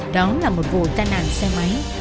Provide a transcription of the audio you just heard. đó là một vụ tai nạn xe máy